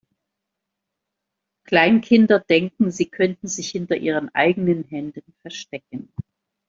Kleinkinder denken, sie könnten sich hinter ihren eigenen Händen verstecken.